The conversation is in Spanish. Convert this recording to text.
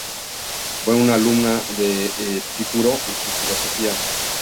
Fue una alumna de Epicuro y su filosofía.